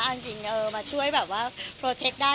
เอาจริงมาช่วยแบบว่าโปรเทคได้